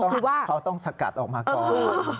เขาต้องสกัดออกมาก่อน